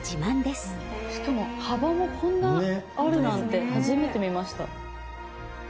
しかも幅もこんなあるなんて初めて見ました。